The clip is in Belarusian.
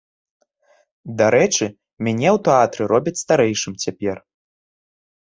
Дарэчы, мяне ў тэатры робяць старэйшым цяпер.